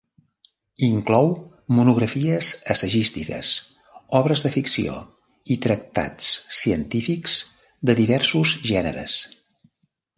Inclou monografies assagístiques, obres de ficció i tractats científics de diversos gèneres.